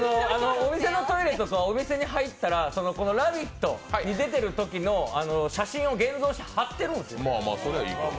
お店のトイレとかお店に入ったら「ラヴィット！」に出てるときの写真を現像して貼ってるんですよ。